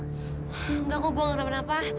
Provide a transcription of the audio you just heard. engga kok gue gak kenapa kenapa